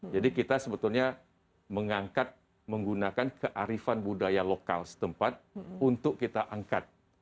jadi kita sebetulnya mengangkat menggunakan kearifan budaya lokal setempat untuk kita angkat